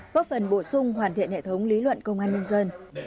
góp phần bổ sung hoàn thiện hệ thống lý luận công an nhân dân